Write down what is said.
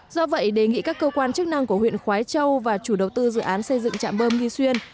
do vậy đề nghị các cơ quan chức năng của huyện khói châu và chủ đầu tư dự án xây dựng trạm bơm nghi xuyên